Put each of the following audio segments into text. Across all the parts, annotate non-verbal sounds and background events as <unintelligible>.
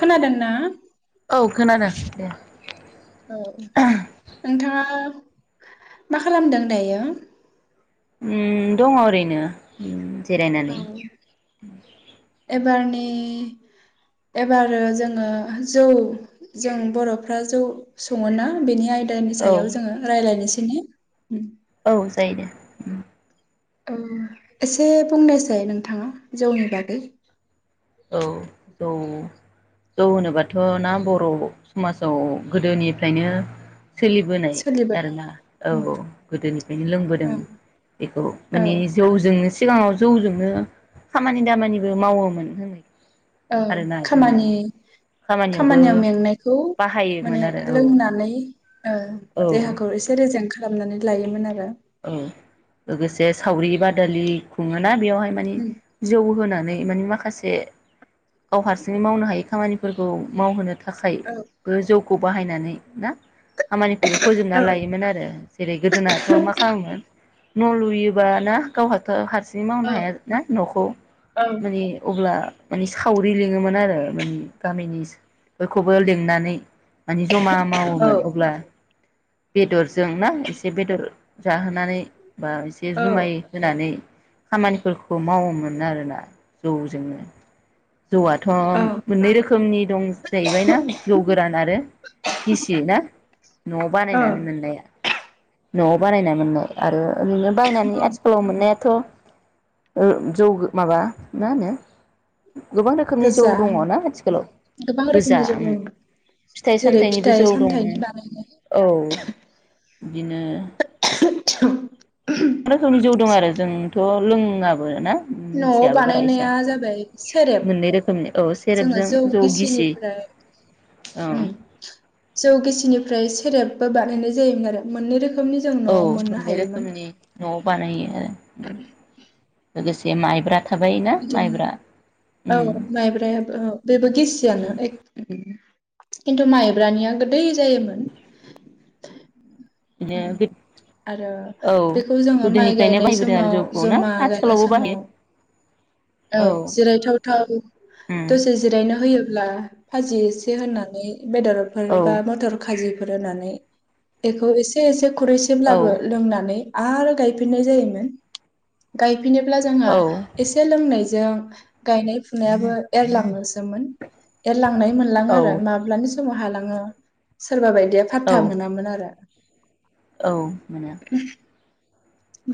खोनादों ना औ खोनादों दे। औ नोंथाङा <unintelligible> मा खालामदों दायो अम दंङ ओरैनो औ जिरायनानै एबारनि ओ एबार जोंङो जौ जों बर'फ्रा जौ सङोना बेनि आय दानि औ सायाव जोंङो रायलायनोसै ना अम औ जायो दे औ एसे बुंनोसै नोंथांङा जौनि बागै औ जौ-जौ होनोबाथ ना बर'समाजाव गोदोनिफ्रायनो सोलिबोनाय सोलिबोनाय आरोना औ औ गोदोनिफ्रायनो लोंबोदों बेखौ माने औ जौजोंनो सिगांङाव जौ जोंनो खामानि दामानिबो मावोमोन होनो <unintelligible> औ आरोना जोङो खामानि खामानियावबो खामानियाव मेंनायखौ बाहायोमोन माने आरो लोंनानै ओ औ देहाखौ एसे रेजेंन्ट खालामनानै लायोमोन आरो। औ लोगोसे सावरि बादालि खुंङो ना बेवहाय माने जौ होना नै माखासे गाव हारसिङै मावनो हायै खामानिफोरखौ मावहोनो थाखायबो जौ खौ बाहायनानै ना खामानिखौबो फोजोबना औ लायोमोन आरो जेरै गोदोनाथ माखासे न' लुयोब ना गावहाथ हारसिं बिदि मावनो हाया ना न'खौ माने अब्ला माने सावरि लिंङोमोन आरो मानि गामिनि बयखौबो लिंनानै माने जमा औ मावोमोन अब्ला बेदरजों ना एसे बेदर जाहोनानै बा एसे औ जुमाय होनानै खामानिफोरखौ मावोमोन आरोना जौजोंनो जौआथ औ मोननै रोखोमनि दं जाहैबायनाा जौ गोरान आरो गिसि ना न'आव औ नायनानै मोननाया न'आव बानायनाय मोननाय आरो ओरैनो बायनानै आथिखालाव मोननाया थ ओ जौ माबा मा होनो? गोबां रोखोमनि जौ गोजा दङ होनो ना आथिखालाव गोबां गोजा रोखोमनि जौ उम दङ फिथाइ जेरै सामथायाइनिबो फिथाइ जौ दङ। सामथाइनि बानायनाय औ इदिनो रोखोमनि जौ दं आरो जोंथ लोङाबो ना? न'आव मिथियाबो बारा इसा बानायनाया जाबाय सेरेब मोननै रोखोमनि औ जोङो सेरेबजों जौ गिसि गेसिनिफ्राय औ जौ गेसिनिफ्राय सेरेब बा बानायनाय जायोमोन आरो मोनै रोख खोमनि जों औ न'आव मोननो मोननै हायोमोन। रोखोमनि न'आव बानायो ओ <inaudible> गोसे माइब्रा थाबायोना माइब्रा इदिनो उम औ माइब्रायाबो औ बेबो गिसियानो एख उम किन्थु माइब्रानिया गोदै जायोमोन। उम बिदिनो आरो औ बेखौ जोङो माइ गोदोनिफ्रायनो गायनाय बाहायबोदों आरो समाव जौखौ ना जमा गायनाय आथिखालावबो बाहायो समाव औ जिरायथाव थाव उम दसे जिरायनो होयो। अब्ला भाजि इसे होनानै बेदरफोर औ बा मथर खाजि रुनानै बेखौ इस <unintelligible> औ खुरैसेब्लाबो लोंनानै आरो गायफिननाय जायोमोन गाय फिनोब्ला जोंहा औ इसे लोंनाय जों गायनाय फुनायाबो एरलांनोसोमोन। एरलांनाय मोनलाङो औ आरो माब्लानिस समाव हालाङो सोरबा बायद या औ फाथथा मोनामोन आरो औ मोनो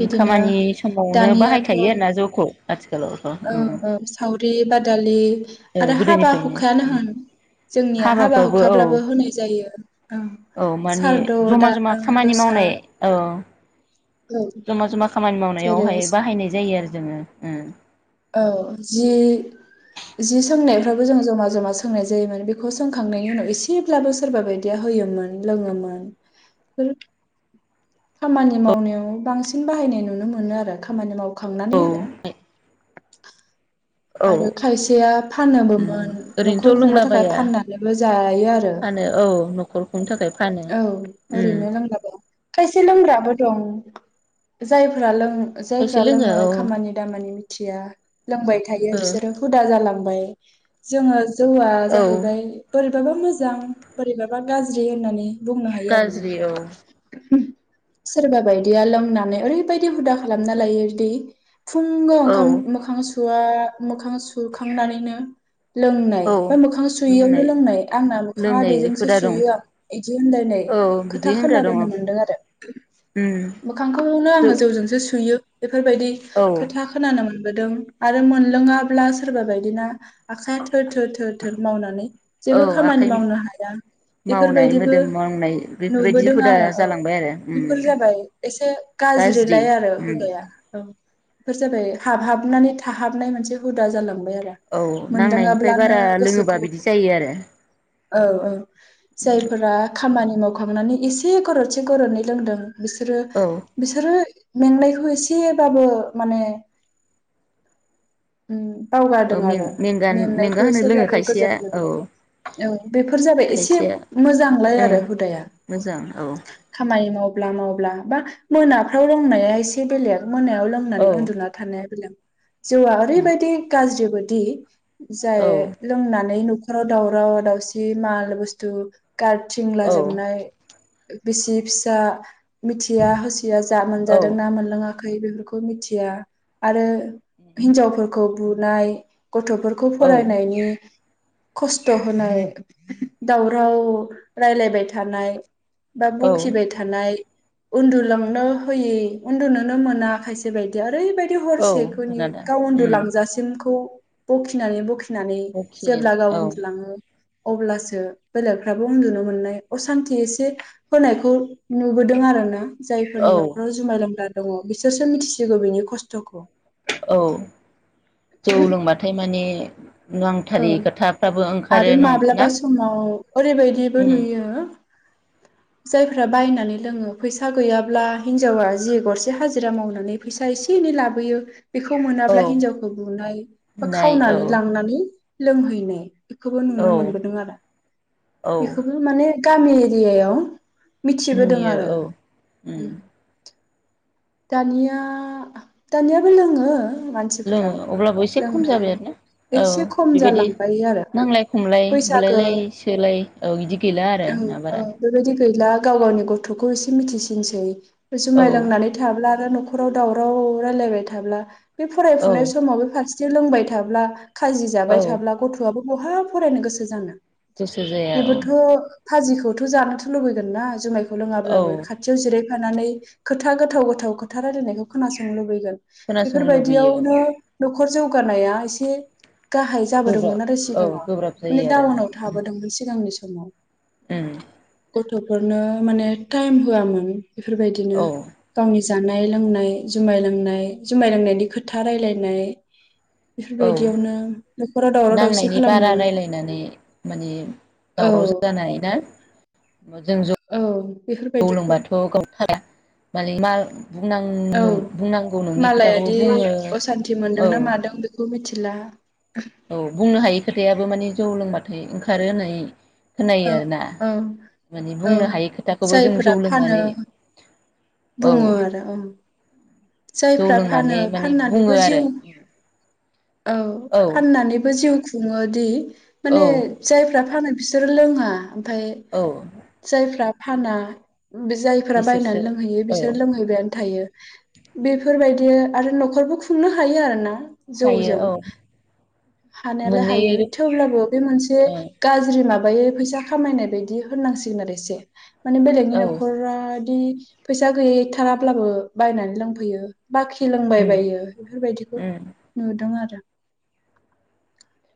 बिदिनो खामानि समावनो दानियाथ' बाहायखायो आरोना जौखौ। आदस औ औ सावरि बाद दालि औ आरो हाबा गोदोनिफ्रायनो हुखायानो उम होन जोंनिया हाबा हाबाफ्रावबो हुखाब्लाबो औ होनाय जायो ओं औ माने सारदु जमा दा जमा ओं खामानि दसा मावनाय औ जमा जमा खामान मावनायावहाय बाहायनाय जायो आरो। जोङो उम। औ जि जि सोंनायफ्राबो जों जमा जमा सोंनाय जायोमोन बेखौ सोंखांनायनि उनाव एसेब्लाबो सोरबा बायदिया होयोमोन लोङोमोन। बेफोर खामानि मावनायाव बांसिन बाहायनाय नुनो मोनो आरो खामानि माव खांनानै आरो। औ औ आरो खायसेया फानोबोमोन नखर ओरैनोथ' खुंनो थाखाय लोंलाबाया फाननानैबो जायो आरो फानो औ न'खर खुंनो थाखाय फानो औ ओरैनो लोंलाबाया खायसे लोंग्राबो दं। जायफोरा लों खायसे जायफ्रा लोङो औ खामानि दामानि मिथिया लोंबाय थायो बिसोर हुदा जालां लांमबाय जोङो जौआ औ जाहैबाय बोरैब बाबा मोजां बोरैबाबा गाज्रि होननानै बुंनो हायो आरोना। गाज्रि औ सोरबा बायदिया लोंनानै ओरैबायदि हुदा खालामना लायो दि फुंआव औ ओंखाम मोखां सु सुवा मोखां सुखांनानैनो लोंनाय औ बा मोखां सुयैयावनो लोंनाय आंना मोखाङा लोंनाय बेजोंसो हुदा दं सुयो आं इदि होनलायनाय औ बिदि खोथा होनग्रा दङ खोनाबोनो मोनदों आरो मोखांखौनो जौ आङो जौजोंसो सुयो बेफोरबायदि औ खोथा खोनानो मोन बोदों आरो मोन लोङाब्ला सोरबा बायदिना आखाया थोर थोर थोर थोर मावनानै औ जेबो खामानि आखाइ मावनो हाया मावनाय बेफोरबायदिबो मोदोम मावनाय बेफोरबायदि नुबोदों हुदा आरो औ जालांबाय आरो उम बेफोर जाबाय एसे गाज्रि गाज्रिलाय आरो उम हुदाया औ। बेफोर जाबाय हाबहाबनानै थाहाब नानै मोनसे हुदा जाला बाय आरो औ नांनायनिफ्राय मोन्दांआब्लानो बारा लोङोबा गोसोखौ बिदि जायो आरो औ औ जायफोरा खामानि मावखांनानै एसे गरदसे गरनै लोंदों बिसोरो औ बिसोरो मेंनायखौ एसेबाबो माने उम। औ बावगारदों आरो मेंगान मेंगा मेंनायखौ होनो लोङो एसेब्लाबो खायसेया गोजोन औ मोनदों औ बेफोर जाबाय एसे खायसेया मोजांलाय ओं आरो हुदाया मोजां औ खामानि माव अब्ला मावब्ला बा मोनाफ्राव रोंनाया एसे बेलेग मोनायाव लोंनानै औ उन्दुना थानाया बेलेग जौ ओरैबायदि गाज्रि बोदि जाय औ लोंनानै न'ख खराव दावराव दावसि माल बुस्थु गारथिंलाजोबनाय बिसि फिसा मिथिया होसिया जा मोनजादोंना मोनलोङाख खै बेफोरखौ मिथिया आरो हिन्जाव खौ बुनाय गथ'फोरखौ औ फरायनायनि खस्थ' होनाय, दावराव रायलायबाय थानाय बा औ ब'खिबाय थानाय उन्दुलांनो होयि उन्दुनोनो मोना खायसे बायदिया ओरैबायदि औ हरसेखोनि मोनादा गाव उन्दु उम लांजासिमखौ ब'खिनानै ब'खि नानै जेब्ला गाव बखिनो औ उन्दुलाङो अब्लासो बेलेगफ्राबो उन्दुनो मोननाय असान्थि एसे होनायखौ नुबोदों आरो ना औ जायफोरनि न'खराव जुमाय लोंग्रा दङ बिसोरसो मिथिसिगौ बिनि खस्थ'खौ। औ जौ लोंबाथाय माने नांग औ जाथारि खोथाफ्राबो ओंखारो नं ना? औ ओरैबायदिबो उम नुयो जायफ्रा बायनानै लोङो फैसा गैयाब्ला हिनजावा जि गरसे हाजिरा मावनानै फैसा एसे एनै लाबोयो बेखौ मोनाब्ला औ हिनजावखौ बुनाय बा नाय खावनानै औ लांनानै लोंहैनाय बेखौबो नुनो औ मोनबोदों आरो औ बिखौबो माने गामि एरियायाव मिथिबोदों नुयो आरो। औ उम दानिया दानियाबो लोङो मानसिफ्रा लोङो अब्लाबो एसे खम जाबाय लोंनायालाय आरोना औ एसे खम बिबायदि जालांबाय आरो नांलाय खमलाय बुलाय बैसागो लाय सोलाय औ इदि गैला आरो औ ना औ बारा। बेबायदि गैला गाव गावनि गथखौ एसे मिथिसिनसै औ जुमाय लोंनानै थाब्ला आरो नखराव दावराव रायलायबाय थाब्ला बे औ फरायफुनाय समाव बे फारसे जे लोंबाय थाब्ला खाजि औ जाबाय थाब्ला गथआबो बहा फरायनो गोसो जानो। गोसो जाया औ। फाजिखौथ जानोथ लुबैगोन ना जुमाय खौ लोङाब्लाबो औ खाथियाव जिराय थानानै खोथा गो गोथाव गोथाव खोथा रायलायनाय खोनासं लुबैगोन। खोनासंनो लुबैयो औ बेफोरबायदियावनो नखर जौगानाया एसे गाहाय गोब्राब जाबोदोंमोन आरो औ सिगाङाव गोब्राब माने जायो आरोना डाउनाव उम थाबोदोंमोन सिगांनि सम। समाव। उम। गथफोरनो माने टाइम होआमोन बेफोरबायदिनो औ गावनि जानाय लोंनाय जुमाय लोंनाय जुमाय लोंनायनि खोथा रायलायनाय। औ बेफोरबायदियावनो न'खराव दावराव दावसि नांनायनि बारा खालामनायावनो रायलायनानै माने औ दावराव जानाय ना जों ज औ गौ बेफोरबायदिखौ लोंबाथ गावथाया माले मा बुंनां औ बुंनांगौ नङि खोथाखौबो मालायादि बुङो असान्थि औ मोनदोंना मादों बेखौ मिथिला। औ बुंनो हायि खोथायाबो मानि जौ लोंबाथाय ओंखारो होननानै खोनायो औ आरो ना औ माने औ बुंनो हायि खोथाखौबो जों जायफोरा जौ फानो लोंनानै औ बुङो आरो औ। जौ जायफ्रा फानो लोंनानै माने बुङो फाननानैबो आरो जिउ औ फाननानैबो जिउ जुङोदि औ माने जायफ्रा फानो बिसोरो लोङा। ओमफ्राय औ जायफ्रा फाना जायफोरा बिसोरसो बायनानै लोंहैयो औ बिसोर लोंहैबायानो थायो बेफोरबायदि आरो नखरबो खुंनो हायो आर ना हायो जौजों औ हानायालाय मोननै हायो थेवब्लाबो बे मोनसे रोखोम गाज्रि माबा माबायो फैसा खामायनाय बायदि होननांसिगोन आरो एसे माने औ बेलेगनि नखरा बिदि फैसा गैयैथाराब्लाबो बायनानै लों होयो बाखि लोंबाय उम बायो बेफोरबायदिखौ उम नुदों आरो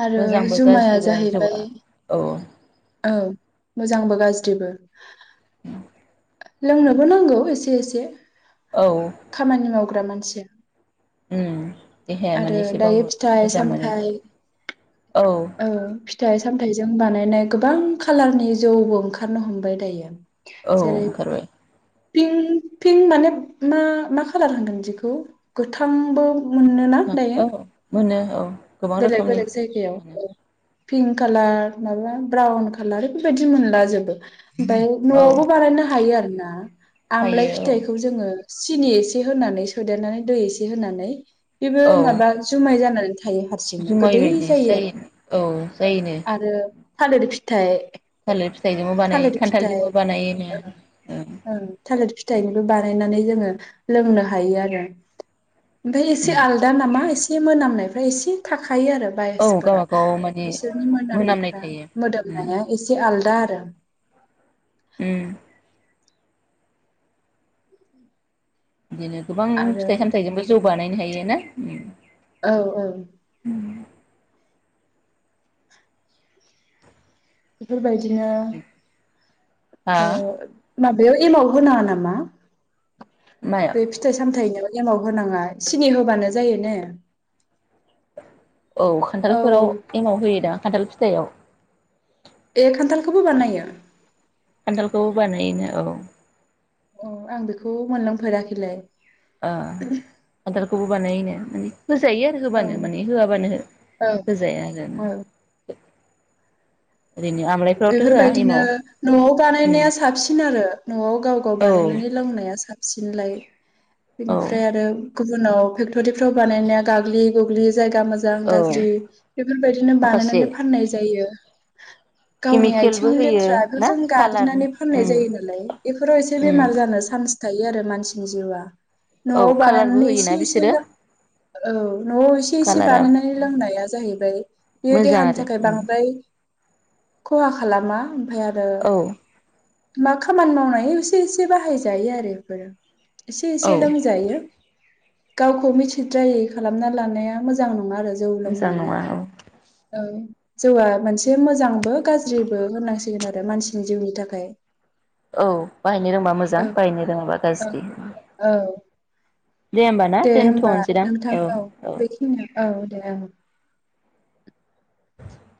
आरो मोजांबो जुमाया गाज्रिबो जाहैबाय जौआ औ औ औ मोजांबो गाज्रिबो औ लोंनोबो नांगौ एसे एसे औ खामानि मावग्रा मानसिया उम देहाया आरो माने दायो एसेबाबो फिथाइ मोजां सामथाय मोनोना औ फिथाइ सामथाइजों बानायनाय गोबां खाालारनि जौबो ओंखारनो हमबाय दायो औ ओंखारबाय पिंक पिंक माने मा मा खालार होनगोन दिखौ गोथांबो मोनोना दायो औ मोनो औ गोबां बेलेक रोखोमनि बेलेक मोनो जायगायाव पिंक कालार माबा ब्राउन खाालार बेफोरबायदि मोनला जोबो ओमफ्राय औ नआवबो बानायनो हायो आरो न ना आमलाय हायो फिथाइखौ औ जोङो सिनि एसे होनानै सोदेरनानै दै एसे होनानै बेबो औ माबा जुमाय जानानै थायो हारसिंनो जुमाय गोदै बायदिसो जायो औ आरो जायोनो आरो थालिर फिथाइ थालिर फिथाइजोंबो बानायो थालिर फिथाइ खान्थालजोंबो बानायोनो औ थालिरि फिथाइनिबो बानायनानै जोङो लोंनो हायो आरो ओमफ्राय एसे उम आलदा नामा एसे एसे मोनामनायफ्रा एसे थाखा थायो आरो औ बायसफोरा गावबागाव माने बिसोरनि मोनामनाय मोनामनायफ्रा थायो उम मोदोमनाया एसे आलदा दा आरो उम बिदिनो गोबां आरो फिथाइ सामथाइजोंबो जौ बानायनो हायो ना औ औ बेफोर बायदि हा बिदिनो माबायाव एमाव होनाङा नामा माया बे फिथाइ सामलायनायाव? एमाव होनाङा सिनि होबानो जायो ने औ औ खान्थालफोराव एमाव होयोदा खान्थाल फिथायाव ए खान्थाल खौबो बानायो? ओ बानायोना औ औ आं बेखौ मोनलोंफेराखैलाय। ओ खान्था लखौबो बानायोनो माने होजायो आरो औ होबानो माने होआबानो औ हो-होजाया आरो औ ना। होआ बेफोरबायदिनो एमाव न'आव उम बानायनाया साबसिन आरो। न'आव गाव गाव औ बानायनानै लोंनाया साब सिनलाय। औ बेनिफ्राय आरो गु उनाव फेक्टरिफ्राव बानायनाया गाग्लि गुग्लि जायगा मोजां औ गाज्रि बेफोरबायदिनो माखासे बानायनानै फाननाय जायो। <inaudible> गावनि केमिकेलबो आइथिंनि होयो लेथ्रा ना बेफोरजों कालार गाग्लिनानै फाननाय उम जायो नालाय बेफोराव एसे उम बेमार जानो सान्स थायो आरो मानसिनि जिउआ। औ न'आव कालारबो बानायनानै होयोना इसे इसे बिसोरो लों औ न'आव इसे इसे कालारा बानायनानै लोंनाया जाहैबाय बियो मोजां देहानि आरो थाखाय उम बांद्राय खहा खालामा ओमफाय आ रो औ मा खामानि मावनायाव एसे एसे बाहायजायो आरो बेफोरो। एसे औ एसे लोंजायो। गावखौ मिथिद्रायै खालामना लानाया मोजां नङा आरो जौ मोजां लोंनानै नङा औ औ जौआ मोनसे मोजांबो गाज्रिबो होननांसिगोन आरो मानसिनि जिउनि थाखाय। औ बाहायनो रोंबा मोजां औ बाहायनो रोङाबा औ गाज्रि। औ दे होमबा ना दे होमबा दोनथ'नोसैदां नोंथां औ बेखिनि <unintelligible> औ <unintelligible> <inaudible>